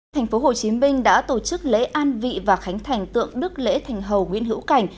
thành phố hồ chí minh đã tổ chức lễ an vị và khánh thành tượng đức lễ thành hầu nguyễn hữu cảnh